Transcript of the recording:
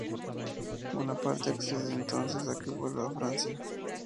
Bonaparte accede entonces a que vuelva a Francia.